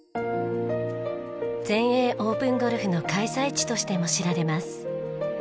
全英オープンゴルフの開催地としても知られます。